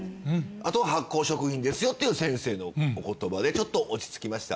あとは発酵食品ですよっていう先生のお言葉でちょっと落ち着きました？